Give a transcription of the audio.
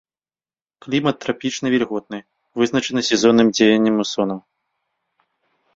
Клімат трапічны вільготны, вызначаны сезонным дзеяннем мусонаў.